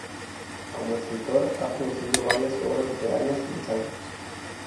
Como escritor, ha producido varias obras literarias y ensayos.